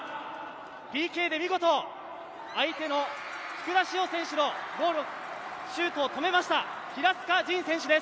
ＰＫで見事、相手の福田師王選手のシュートを止めました、平塚仁選手です。